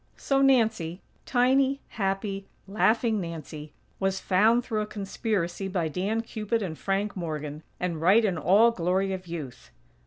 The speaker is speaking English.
So Nancy, tiny, happy, laughing Nancy, was "found" through a conspiracy by Dan Cupid and Frank Morgan; and right in all glory of youth.